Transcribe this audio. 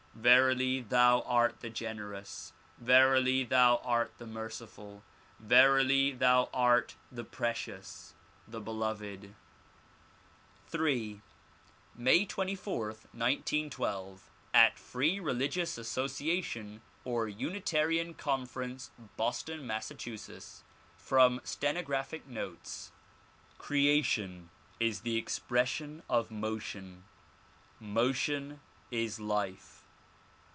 Verily thou art the generous! Verily thou art the merciful ! Verily thou art the precious, the beloved ! Ill May 24, 1912, at Free Religious Association or Unitarian Conference, Boston, Mass. From Stenographic Notes CREATION is the expression of motion. Motion is life.